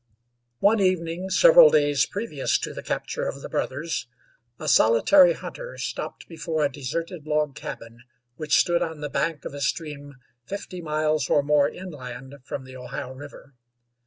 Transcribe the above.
One evening, several day previous to the capture of the brothers, a solitary hunter stopped before a deserted log cabin which stood on the bank of a stream fifty miles or more inland from the Ohio River.